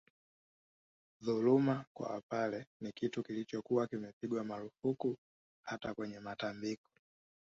Dhuluma kwa Wapare ni kitu kilichokuwa kimepigwa marufuku hata kwenye matambiko